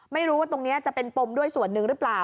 ไม่รู้ว่าตรงนี้จะเป็นปมด้วยส่วนหนึ่งหรือเปล่า